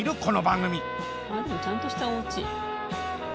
ああでもちゃんとしたおうち。